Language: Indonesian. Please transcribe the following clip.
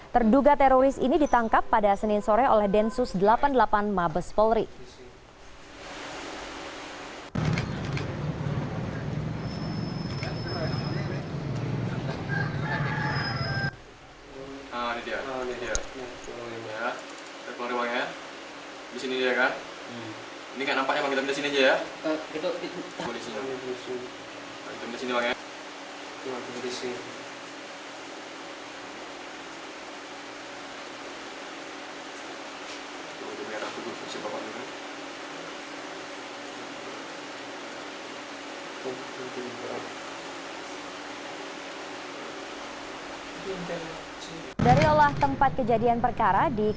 terduga teroris ini ditangkap pada senin sore oleh densus delapan puluh delapan mabes polri